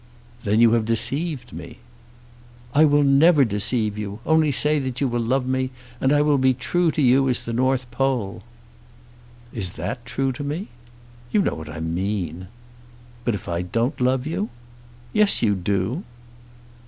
"Then you have deceived me." "I will never deceive you. Only say that you will love me, and I will be as true to you as the North Pole." "Is that true to me?" "You know what I mean." "But if I don't love you?" "Yes, you do!"